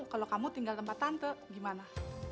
kalau kamu tinggal tempat tante gimana